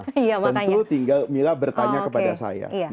tentu tinggal mila bertanya kepada saya